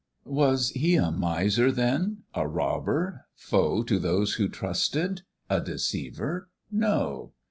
Was he a miser then? a robber? foe To those who trusted? a deceiver? No!